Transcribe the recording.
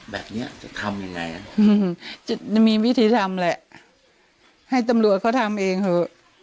แบบนี้จะทำยังไงจะมีวิธีทำแหละให้ตำรวจเขาทำเองเถอะ